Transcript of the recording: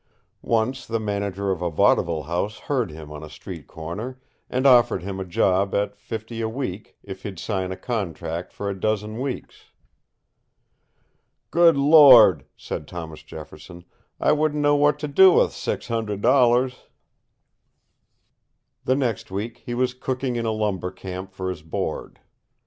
Once the manager of a vaudeville house heard him on a street corner, and offered him a job at fifty a week if he'd sign a contract for a dozen weeks. "Good Lord," said Thomas Jefferson, "I wouldn't know what to do with six hundred dollars!" The next week he was cooking in a lumber camp for his board.